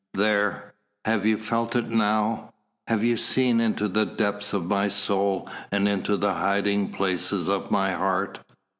There have you felt it now? Have you seen into the depths of my soul and into the hiding places of my heart?